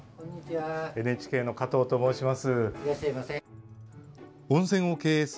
ＮＨＫの加藤と申します。